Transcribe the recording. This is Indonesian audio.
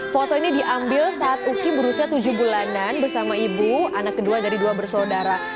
foto ini diambil saat uki berusia tujuh bulanan bersama ibu anak kedua dari dua bersaudara